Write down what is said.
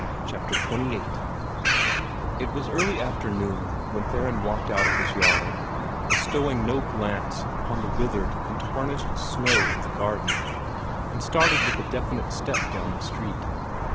CHAPTER XXVIII It was early afternoon when Theron walked out of his yard, bestowing no glance upon the withered and tarnished show of the garden, and started with a definite step down the street.